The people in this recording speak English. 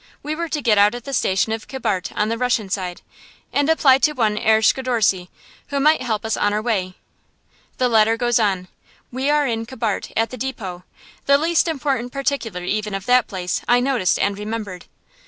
We were to get out at the station of Kibart on the Russian side, and apply to one Herr Schidorsky, who might help us on our way. The letter goes on: We are in Kibart, at the depot. The least important particular, even, of that place, I noticed and remembered.